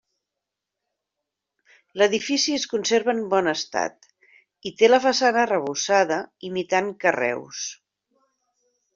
L'edifici es conserva en bon estat i té la façana arrebossada, imitant carreus.